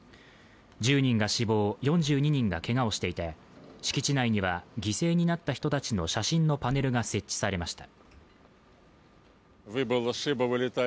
１０人が死亡、４２人がけがをしていて敷地内には犠牲になった人たちの写真のパネルが設置されました。